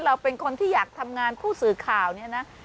เราเป็นคนที่อยากทำงานผู้สื่อข่าวเนี่ยนะ